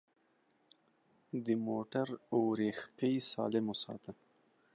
د موټر اورېښکۍ سالم وساته.